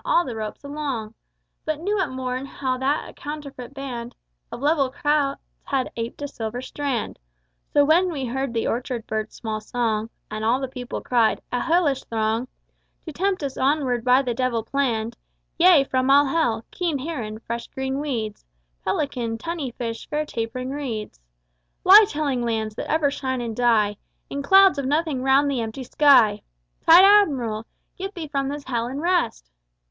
_ all the ropes along, But knew at morn how that a counterfeit band Of level clouds had aped a silver strand; So when we heard the orchard bird's small song, And all the people cried, _A hellish throng To tempt us onward by the Devil planned, Yea, all from hell keen heron, fresh green weeds, Pelican, tunny fish, fair tapering reeds, Lie telling lands that ever shine and die In clouds of nothing round the empty sky. Tired Admiral, get thee from this hell, and rest!